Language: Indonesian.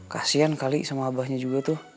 kasian kali sama abahnya juga tuh